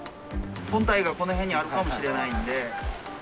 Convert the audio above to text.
本体がこの辺にあるかもしれないんで。